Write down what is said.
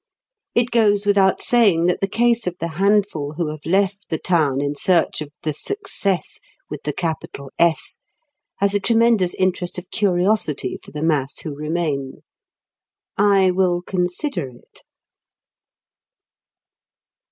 It goes without saying that the case of the handful who have left the town in search of the Success with the capital S has a tremendous interest of curiosity for the mass who remain. I will consider it.